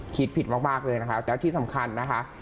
คิดผิดมากเลยนะคะแล้วที่สำคัญนะคะ